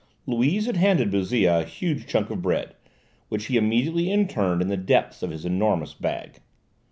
Louise had handed Bouzille a huge chunk of bread which he immediately interned in the depths of his enormous bag.